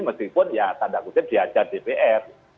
meskipun ya tanda kutip diajar dpr